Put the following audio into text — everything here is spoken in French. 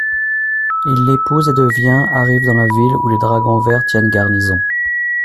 Il l'épouse et devient arrive dans la ville où les dragons verts tiennent garnison.